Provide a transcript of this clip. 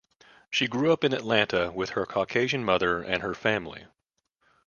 She grew up in Atlanta with her Caucasian mother and her family.